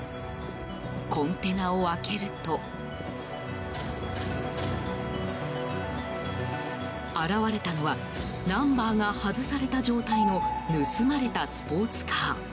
コンテナを開けると現れたのはナンバーが外された状態の盗まれたスポーツカー。